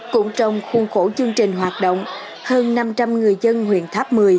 cũng trong khuôn khổ chương trình hoạt động hơn năm trăm linh người dân huyện tháp một mươi